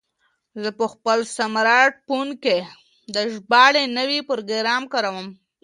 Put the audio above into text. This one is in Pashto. زه په خپل سمارټ فون کې د ژباړې نوی پروګرام کاروم.